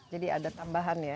jadi ada tambahan ya